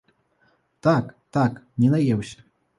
Так, так, не наеўся!